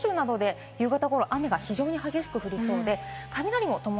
西日本は九州などで夕方頃、雨が非常に激しく降りそうです。